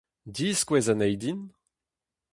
Diskouez anezhi din.